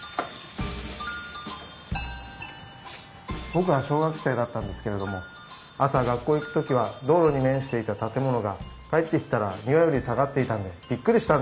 僕は小学生だったんですけれども朝学校行く時は道路に面していた建物が帰ってきたら庭より下がっていたんでびっくりしたんですよ。